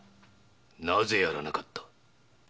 なぜ殺らなかった。